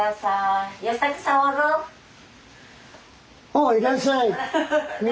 おおいらっしゃい。